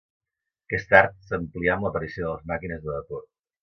Aquest art s'amplià amb l'aparició de les màquines de vapor.